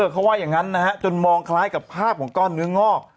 เขาว่าอย่างนั้นนะฮะจนมองคล้ายกับภาพของก้อนเนื้องอก